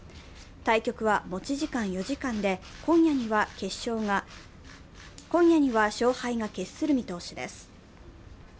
対局は持ち時間４時間で今夜には勝敗が決する見通しです。